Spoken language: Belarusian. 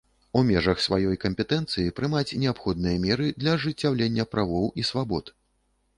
У межах сваёй кампетэнцыі прымаць неабходныя меры для ажыццяўлення правоў і свабод.